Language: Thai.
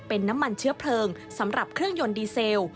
เป็นน้ำมันเชื้อเพลิงสำหรับเครื่องยนต์ดีเซล